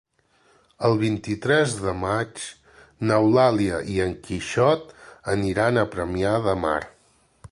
El vint-i-tres de maig n'Eulàlia i en Quixot aniran a Premià de Mar.